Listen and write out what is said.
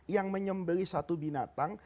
yang menyembeli satu binatang